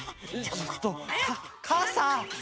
ちょっとかさ！